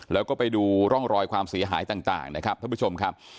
แล้วก็ไปดูร่องรอยความเสียหายต่างนะครับท่านผู้ชมครับ